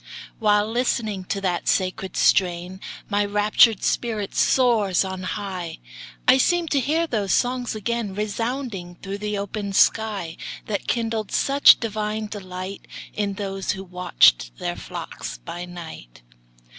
While listening to that sacred strain, My raptured spirit soars on high; I seem to hear those songs again Resounding through the open sky, That kindled such divine delight, In those who watched their flocks by night.